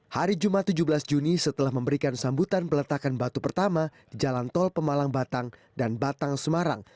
hari jumat tujuh belas juni setelah memberikan sambutan peletakan batu pertama di jalan tol pemalang batang dan batang semarang